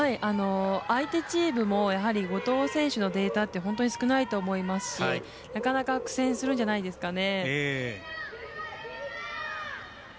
相手チームもやはり後藤選手のデータって本当に少ないと思いますしなかなか苦戦するんじゃないですかね。